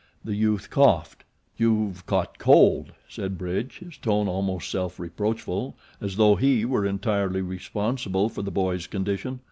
The youth coughed. "You've caught cold," said Bridge, his tone almost self reproachful, as though he were entirely responsible for the boy's condition.